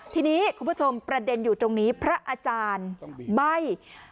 ทีนี้คุณผู้ชมประเด็นอยู่ตรงนี้พระอาจารย์ใบ้